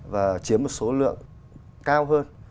và chiếm một số lượng cao hơn